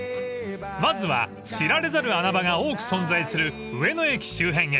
［まずは知られざる穴場が多く存在する上野駅周辺へ］